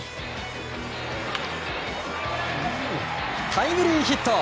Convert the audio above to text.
タイムリーヒット！